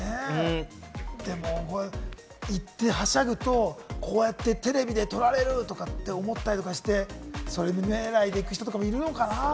でもこれ、行ってはしゃぐと、こうやってテレビで撮られるとか思ったりして、それ狙いで行く人もいるのかな？